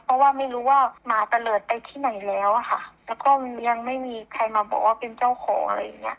เพราะว่าไม่รู้ว่าหมาตะเลิศไปที่ไหนแล้วอะค่ะแล้วก็มันยังไม่มีใครมาบอกว่าเป็นเจ้าของอะไรอย่างเงี้